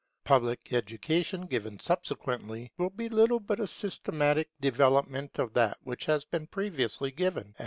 Public education given subsequently, will be little but a systematic development of that which has been previously given at home.